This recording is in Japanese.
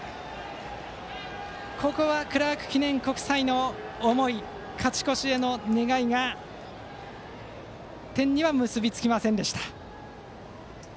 ここはクラーク記念国際の思い勝ち越しへの願いが点には結びつきませんでした。